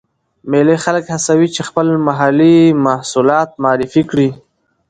مېلې خلک هڅوي، چې خپل محلې محصولات معرفي کړي.